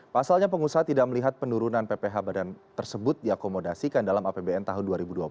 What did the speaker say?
pasalnya pengusaha tidak melihat penurunan pph badan tersebut diakomodasikan dalam apbn tahun dua ribu dua puluh